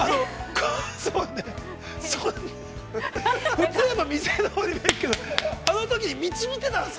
普通だと店のほうに目が行くけどあのときに道を見てたんですか。